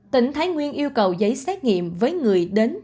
tỉnh thái nguyên yêu cầu giấy xét nghiệm với người đến